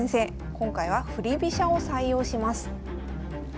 今回は振り飛車を採用します。